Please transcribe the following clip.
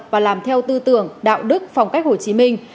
và làm theo tư tưởng đạo đức phong cách hồ chí minh